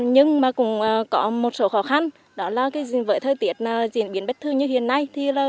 nhưng cũng có một số khó khăn đó là với thời tiết diễn biến bất thư như hiện nay